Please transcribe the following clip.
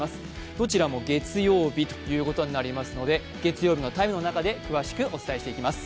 どちらも月曜日ということになりますので月曜日の「ＴＩＭＥ，」の中で詳しくお伝えしていきます。